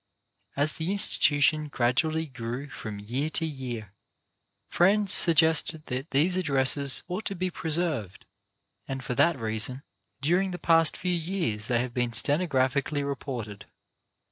As the institution gradually grew from year to year, friends suggested that these addresses ought to be preserved, and for that reason during the past few years they have been stenographically reported.